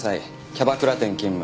キャバクラ店勤務。